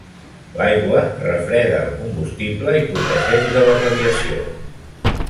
L'aigua refreda el combustible i protegeix de la radiació.